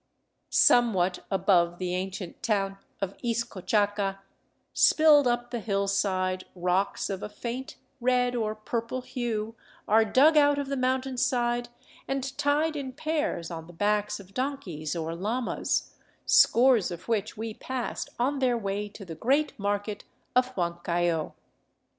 Somewhat above the ancient town of Izcochaca, spilled up the hillside, rocks of a faint red or purple hue are dug out of the mountainside and tied in pairs on the backs of donkeys or llamas, scores of which we passed on their way to the great market of Huancayo.